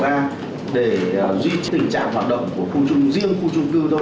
để duy trì tình trạng hoạt động của khu trung riêng khu trung cư thôi